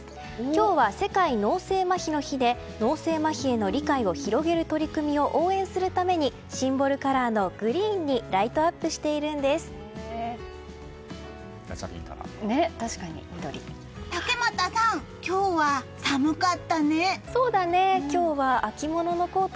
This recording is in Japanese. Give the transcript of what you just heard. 今日は世界脳性まひの日で脳性まひへの理解を広げる取り組みを応援するためにシンボルカラーのグリーンにガチャピンカラー。